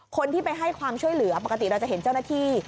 คนที่ไปให้ความช่วยเหลือปกติเราจะเห็นเจ้าหน้าที่